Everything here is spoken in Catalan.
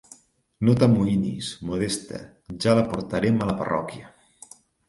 No t'amoïnis, Modesta, ja la portarem a la parròquia.